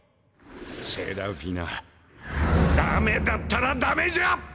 セラフィナダメだったらダメじゃ！